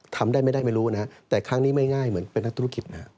ทำได้ไม่ได้ไม่รู้นะฮะแต่ครั้งนี้ไม่ง่ายเหมือนเป็นนักธุรกิจนะฮะ